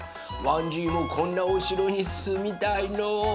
わんじいもこんなおしろにすみたいのう。